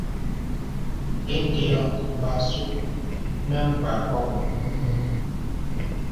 Indē ɔ̄ɔ̄. Mgbàsù nə̀ Mgbàkɔ bə.